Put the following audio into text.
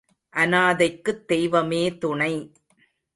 அநாதைக்குத் தெய்வமே துணை.